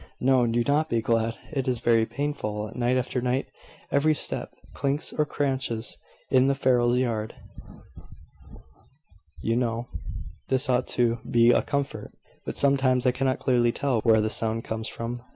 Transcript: "No; do not be glad. It is very painful, night after night. Every step clinks or craunches in the farrier's yard, you know. This ought to be a comfort: but sometimes I cannot clearly tell where the sound comes from.